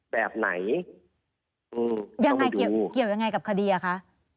แบบไหนอืมยังไงเกี่ยวยังไงกับคดีอ่ะคะ